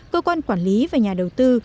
cơ quan quản lý và nhà đầu tư